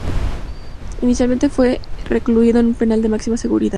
Inicialmente fue recluido en un penal de máxima seguridad.